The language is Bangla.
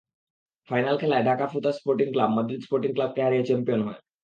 ফাইনাল খেলায় ঢাকা ফ্রুতাস স্পোর্টিং ক্লাব মাদ্রিদ স্পোর্টিং ক্লাবকে হারিয়ে চ্যাম্পিয়ন হয়।